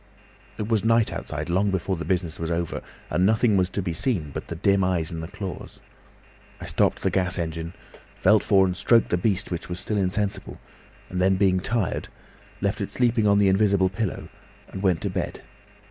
"It was night outside long before the business was over, and nothing was to be seen but the dim eyes and the claws. I stopped the gas engine, felt for and stroked the beast, which was still insensible, and then, being tired, left it sleeping on the invisible pillow and went to bed.